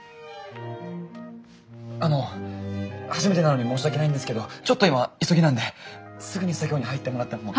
あの初めてなのに申し訳ないんですけどちょっと今急ぎなんですぐに作業に入ってもらっても。